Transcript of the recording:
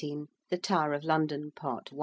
THE TOWER OF LONDON. PART I.